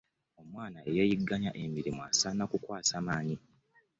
Omwana eyeeyigaanya emirimu asaana kukwasa maanyi.